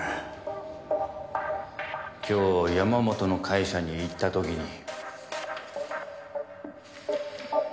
今日山本の会社に行った時に。